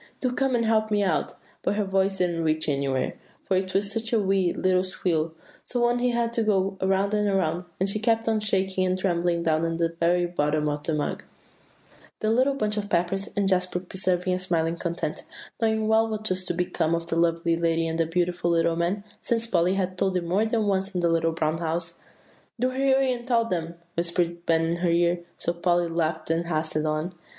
do come and help me out;' but her voice didn't reach anywhere, for it was such a wee, little squeal; so on he had to go around and around, and she kept on shaking and trembling down in the very bottom of the mug." The excitement among the Whitney boys was intense; the little bunch of Peppers and Jasper preserving a smiling content, knowing well what was to become of the lovely lady and the beautiful little man, since Polly had told it more than once in The Little Brown House. "Do hurry, and tell them," whispered Ben in her ear; so Polly laughed and hastened on.